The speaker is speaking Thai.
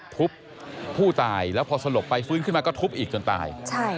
ทุบผู้ตายแล้วพอสลบไปฟื้นขึ้นมาก็ทุบอีกจนตาย